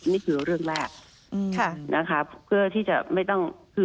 นี่คือเรื่องแรก